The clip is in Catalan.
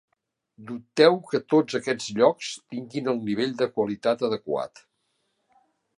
Dubteu que tots aquests llocs tinguin el nivell de qualitat adequat.